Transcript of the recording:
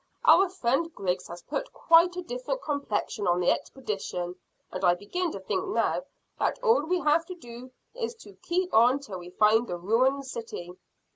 Our friend Griggs has put quite a different complexion on the expedition, and I begin to think now that all we have to do is to keep on till we find the ruined city."